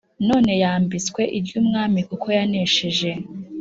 none yambitswe iry’umwami kuko yanesheje